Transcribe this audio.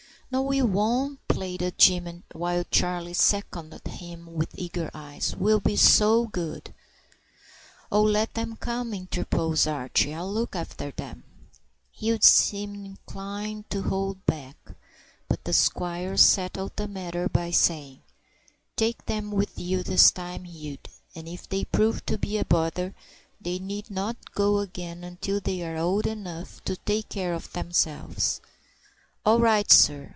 "No, we won't," pleaded Jim, while Charlie seconded him with eager eyes. "We'll be so good." "Oh, let them come," interposed Archie. "I'll look after them." Hugh still seemed inclined to hold back; but the squire settled the matter by saying,— "Take them with you this time, Hugh, and if they prove to be a bother they need not go again until they are old enough to take care of themselves." "All right, sir!